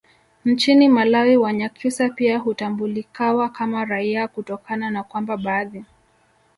nchini malawi wanyakyusa pia hutambulikawa kama raia kutokana na kwamba baadhi